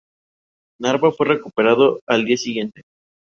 Su voto fue a favor del general revolucionario Adrián Aguirre Benavides.